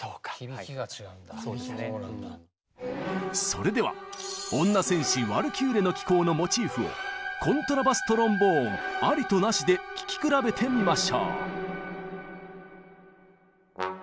それでは女戦士「ワルキューレの騎行」のモチーフをコントラバストロンボーンありとなしで聴き比べてみましょう。